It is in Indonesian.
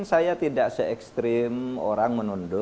saya tidak se ekstrim orang menunduk